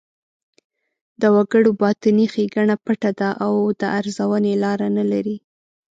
د وګړو باطني ښېګڼه پټه ده او د ارزونې لاره نه لري.